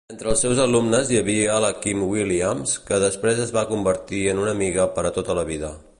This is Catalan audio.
Entre els seus alumnes hi havia la Kim Williams, que després es va convertir en una amiga per a tota la vida.